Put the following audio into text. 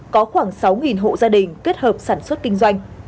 có khoảng sáu hộ gia đình kết hợp sản xuất kinh doanh